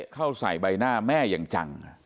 เข้าใส่ใบหน้าแม่อย่างจัง